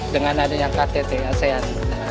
dengan adanya ktt asean